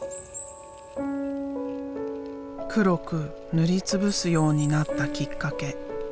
黒く塗りつぶすようになったきっかけ。